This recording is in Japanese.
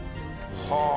はあ。